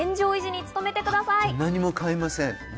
何も買いません。